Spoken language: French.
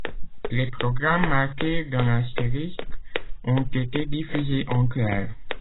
Les programmes marqués d'un astérisque ont été diffusés en clair.